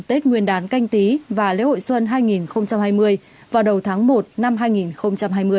tết nguyên đán canh tí và lễ hội xuân hai nghìn hai mươi vào đầu tháng một năm hai nghìn hai mươi